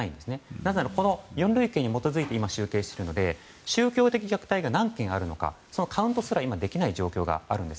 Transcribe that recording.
なぜなら４類型に基づいて集計するので宗教的虐待が何件あるのかカウントすらできない状況があるんです。